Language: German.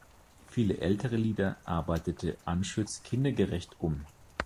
Viele ältere Lieder arbeitete Anschütz kindgerecht um.